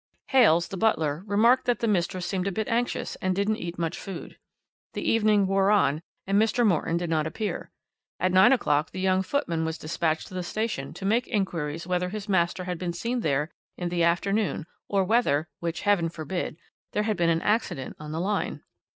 Hales, the butler, remarked that the mistress seemed a bit anxious and didn't eat much food. The evening wore on and Mr. Morton did not appear. At nine o'clock the young footman was dispatched to the station to make inquiries whether his master had been seen there in the afternoon, or whether which Heaven forbid there had been an accident on the line.